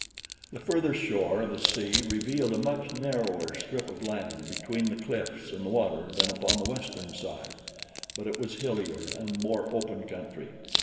The further shore of the sea revealed a much narrower strip of land between the cliffs and the water than upon the western side; but it was a hillier and more open country.